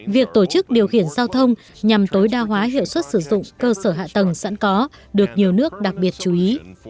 việc tổ chức điều khiển giao thông nhằm tối đa hóa hiệu suất sử dụng cơ sở hạ tầng sẵn có được nhiều nước đặc biệt chú ý